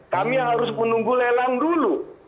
kami harus menunggu lelang dulu